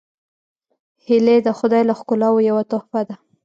هیلۍ د خدای له ښکلاوو یوه تحفه ده